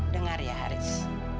dengar ya haris